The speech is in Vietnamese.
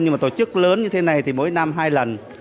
nhưng mà tổ chức lớn như thế này thì mỗi năm hai lần